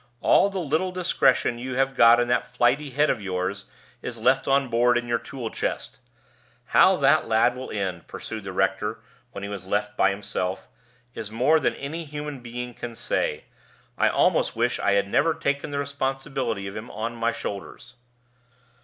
"All the little discretion you have got in that flighty head of yours is left on board in your tool chest. How that lad will end," pursued the rector, when he was left by himself, "is more than any human being can say. I almost wish I had never taken the responsibility of him on my shoulders."